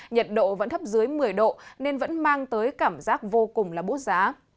nhiệt độ vẫn thấp dưới một mươi độ nên vẫn mang tới cảm giác vô cùng bốt giá